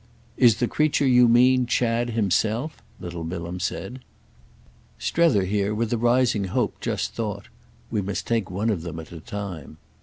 "Is the creature you mean Chad himself?" little Bilham said. Strether here, with a rising hope, just thought, "We must take one of them at a time."